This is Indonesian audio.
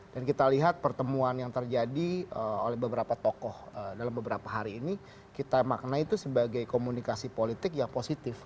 dan kita lihat pertemuan yang terjadi oleh beberapa tokoh dalam beberapa hari ini kita makna itu sebagai komunikasi politik yang positif